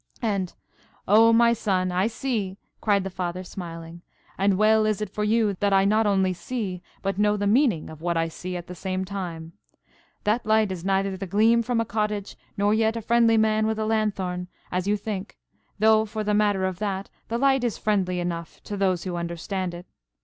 And, "Oh, my son, I see!" cried the Father, smiling; "and well is it for you that I not only see, but know the meaning of what I see at the same time. That light is neither the gleam from a cottage, nor yet a friendly man with a lanthorn, as you think, though, for the matter of that, the light is friendly enough to those who understand it.